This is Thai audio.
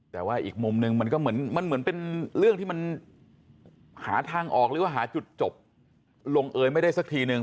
แต่ว่าอีกมุมนึงมันก็เหมือนมันเหมือนเป็นเรื่องที่มันหาทางออกหรือว่าหาจุดจบลงเอยไม่ได้สักทีนึง